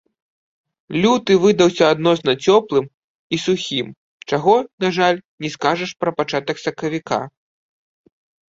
Люты выдаўся адносна цёплым і сухім, чаго, на жаль, не скажаш пра пачатак сакавіка.